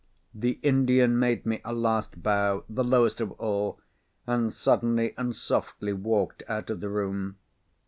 The Indian made me a last bow, the lowest of all—and suddenly and softly walked out of the room.